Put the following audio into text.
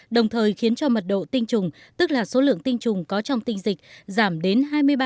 đồng thời khiến cho mật độ tinh trùng tức là số lượng tinh trùng có trong tinh dịch giảm đến hai mươi ba